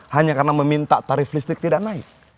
hanya karena meminta tarif listrik tidak naik